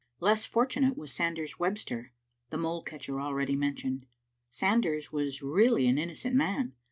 Less fortunate was Sanders Webster, the mole catcher already mentioned. Sanders was really an innocent man.